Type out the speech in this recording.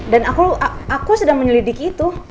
dan aku aku sedang menyelidiki itu